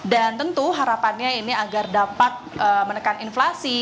dan tentu harapannya ini agar dapat menekan inflasi